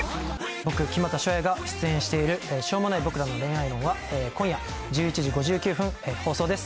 僕木全翔也が出演している『しょうもない僕らの恋愛論』は今夜１１時５９分放送です。